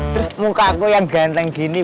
terus muka aku yang ganteng gini